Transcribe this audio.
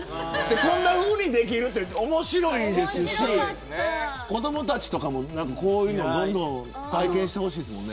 こんなふうにできると面白いですし子どもたちとかも、こういうのどんどん体験してほしいですね。